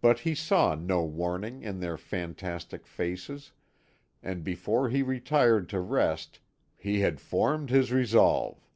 But he saw no warning in their fantastic faces, and before he retired to rest he had formed his resolve.